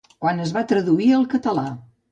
Quan es va traduir al català